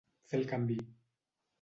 Fer el canvi.